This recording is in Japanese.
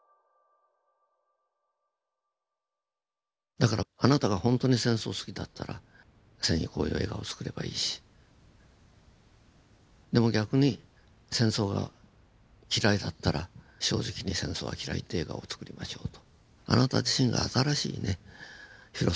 だからあなたがほんとに戦争好きだったら戦意高揚映画をつくればいいしでも逆に戦争が嫌いだったら正直に戦争は嫌いという映画をつくりましょうと。